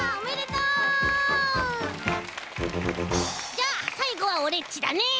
じゃあさいごはオレっちだね。